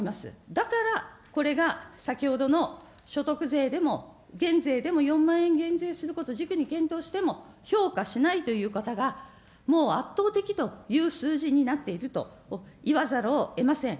だから、これが先ほどの所得税でも減税でも４万円減税することを軸に検討しても評価しないという方が、もう圧倒的という数字になっていると言わざるをえません。